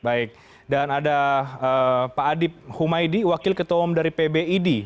baik dan ada pak adib humaydi wakil ketua umum dari pbid